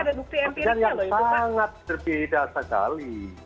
itu kan yang sangat berbeda sekali